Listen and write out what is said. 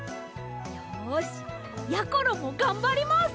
よしやころもがんばります！